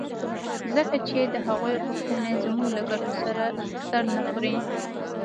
ځکه چې د هغوی غوښتنې زموږ له ګټو سره سر نه خوري.